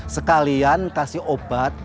sekalian kasih obat